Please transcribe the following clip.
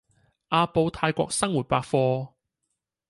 阿布泰國生活百貨